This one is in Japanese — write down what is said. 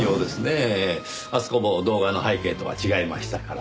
あそこも動画の背景とは違いましたから。